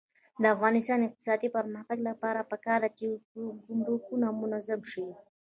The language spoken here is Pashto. د افغانستان د اقتصادي پرمختګ لپاره پکار ده چې ګمرکونه منظم شي.